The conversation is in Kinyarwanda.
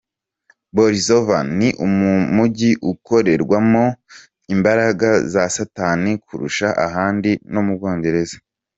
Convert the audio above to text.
Bolsover ni umujyi ukorerwamo n’ imbaraga za Satani kurusha ahandi mu Bwongereza.